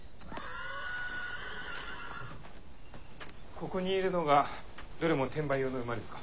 ここにいるのがどれも転売用の馬ですか？